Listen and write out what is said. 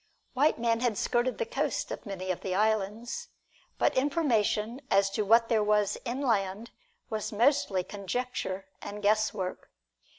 White men had skirted the coast of many of the islands, but information as to what there was inland was mostly conjecture and guesswork.